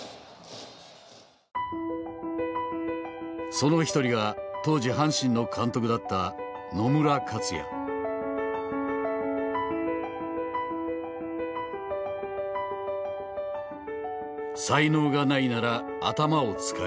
その一人が当時阪神の監督だった「才能がないなら頭を使え」。